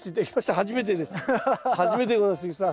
初めてでございます鈴木さん。